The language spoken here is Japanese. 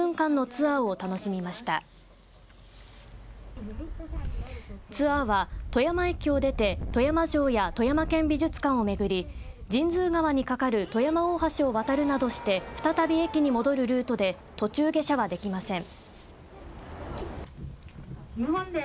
ツアーは富山駅を出て富山城や富山県美術館をめぐり神通川にかかる富山大橋を渡るなどして再び駅に戻るルートで途中下車はできません。